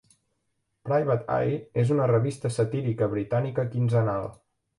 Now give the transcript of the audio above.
Private Eye és una revista satírica britànica quinzenal.